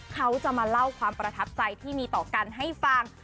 เขาจะมาเล่าความประทับใจที่มีต่อกันให้ฟัง